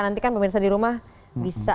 nanti kan pemirsa di rumah bisa